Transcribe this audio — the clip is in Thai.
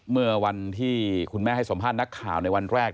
เมื่อวันที่คุณแม่ให้สัมภาษณ์นักข่าวในวันแรก